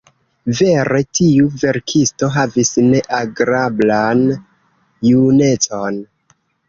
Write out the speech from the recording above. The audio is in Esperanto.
Vere tiu verkisto havis ne agrablan junecon.